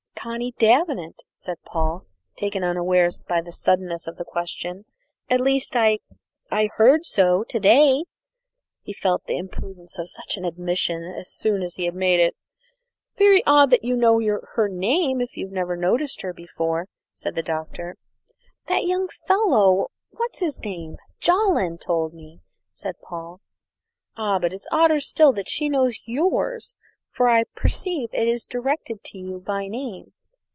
"Connie Davenant," said Paul, taken unawares by the suddenness of the question. "At least, I I heard so to day." He felt the imprudence of such an admission as soon as he had made it. "Very odd that you know her name if you never noticed her before," said the Doctor. "That young fellow what's his name Jolland told me," said Paul. "Ah, but it's odder still that she knows yours, for I perceive it is directed to you by name."